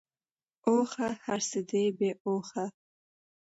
اوښه ! هرڅه دی بی هوښه .